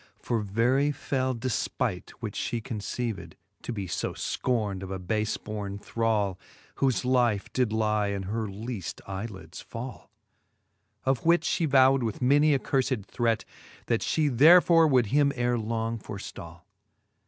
For very fell defpight, which fhe conceived. To be fb fcorned of a bafe born thrall, Whofe life did lie in her leafl eye lids fall ; Of which fhe vowd with many a curfed threat, That fhe therefore would him ere long forftall.